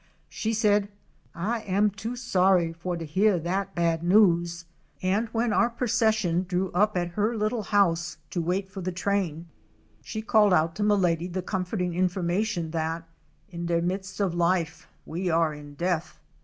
She said "Ah am too sorry for to heah dat bad news," and when our proces 386 OUR SEARCH FOR A WILDERNESS. sion drew up at her little house to wait for the train she called out to Milady the comforting information that ''In der midst of life we are in death!